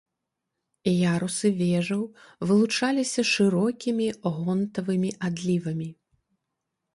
Ярусы вежаў вылучаліся шырокімі гонтавымі адлівамі.